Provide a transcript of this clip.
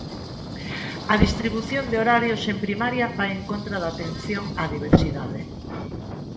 A distribución de horarios en Primaria vai en contra da atención á diversidade.